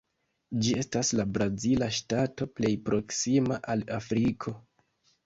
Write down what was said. Ĝi estas la brazila ŝtato plej proksima al Afriko.